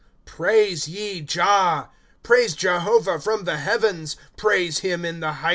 Praise ye Jah. Praise Jehovah from the heavens ; Praise him in the heights.